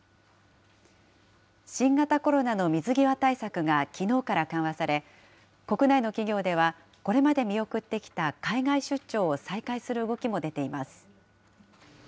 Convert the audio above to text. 新型コロナの水際対策がきのうから緩和され、国内の企業では、これまで見送ってきた海外出張を再開する動きも出ています。